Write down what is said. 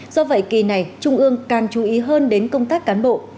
do vậy kỳ này trung ương càng chú ý hơn đến công tác cán bộ